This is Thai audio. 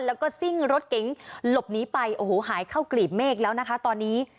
แล้วก็ซิ่งรถเก๋งหลบหนีไปโอ้โหหายเข้ากลีบเมฆแล้วนะคะตอนนี้